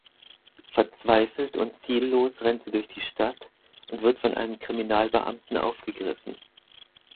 Verzweifelt und ziellos rennt sie durch die Stadt und wird von einem Kriminalbeamten aufgegriffen.